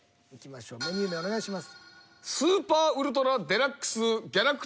メニュー名お願いします。